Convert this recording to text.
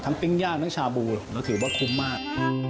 ปิ้งย่างทั้งชาบูเราถือว่าคุ้มมาก